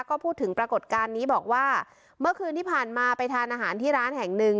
ก็พูดถึงปรากฏการณ์นี้บอกว่าเมื่อคืนที่ผ่านมาไปทานอาหารที่ร้านแห่งหนึ่ง